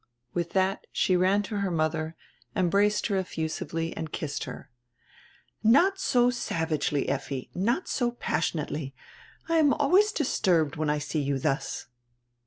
With that she ran to her mother, embraced her effusively and kissed her. "Not so savagely, Effi, not so passionately. I am always disturbed when I see you thus."